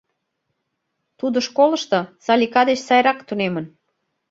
Тудо школышто Салика деч сайрак тунемын.